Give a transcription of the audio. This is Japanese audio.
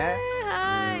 はい。